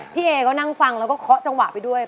พี่เอก็นั่งฟังแล้วก็เคาะจังหวะไปด้วย